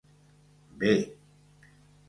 B